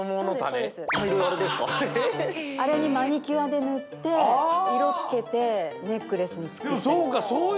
あれにマニキュアでぬっていろつけてネックレスにつくったり。